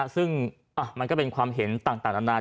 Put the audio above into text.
ซึ่งมันก็เป็นความเห็นต่างนานา